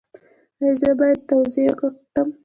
ایا زه باید تواضع وکړم؟